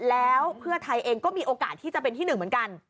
แล้วเพื่อไทยเองก็มีโอกาสที่จะเป็นที่หนึ่งเหมือนกัน